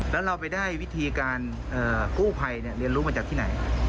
แล้วเราไปได้วิธีการกู้ภัยเรียนรู้มาจากที่ไหน